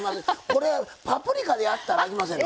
これパプリカでやったらあきませんの？